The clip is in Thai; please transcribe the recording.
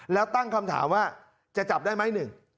แล้วตั้งคำถามว่าจะจับได้ไหม